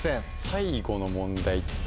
最後の問題って。